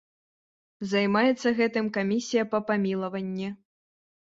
Займаецца гэтым камісія па памілаванні.